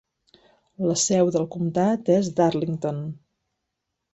La seu del comptat és Darlington.